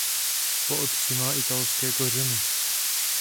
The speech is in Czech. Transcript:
Po otci má italské kořeny.